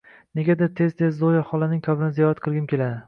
Negadir tez-tez Zoya xolaning qabrini ziyorat qilgim keladi.